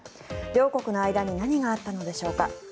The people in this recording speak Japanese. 両国の間に何があったのでしょうか。